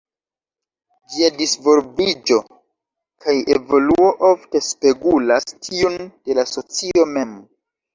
Ĝia disvolviĝo kaj evoluo ofte spegulas tiun de la socio mem.